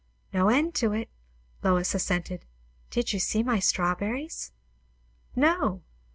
"No end to it," Lois assented. "Did you see my strawberries?" "No."